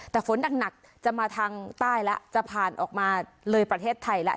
แต่ฝนหนักจะมาทางใต้แล้วจะผ่านออกมาเลยประเทศไทยแล้ว